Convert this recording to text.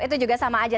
itu juga sama aja